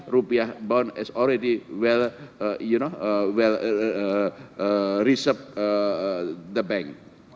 rupiah yang sudah diperoleh oleh bank